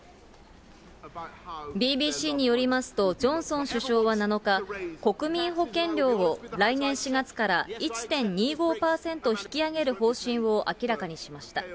ＢＢＣによりますと、ジョンソン首相は７日、国民保険料を来年４月から１．２５％引き上げる方針を明らかにしました。